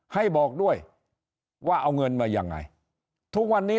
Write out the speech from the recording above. ให้บอกด้วยว่าเอาเงินมายังไงทุกวันนี้